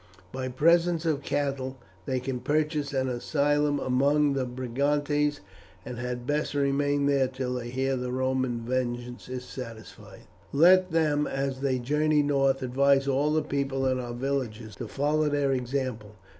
By presents of cattle they can purchase an asylum among the Brigantes, and had best remain there till they hear that Roman vengeance is satisfied. "Let them as they journey north advise all the people in our villages to follow their example.